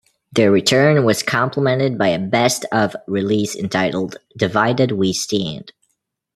Their return was complemented by a "Best Of" release entitled "Divided We Stand".